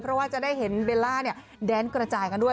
เพราะว่าจะได้เห็นเบลล่าแดนกระจายกันด้วย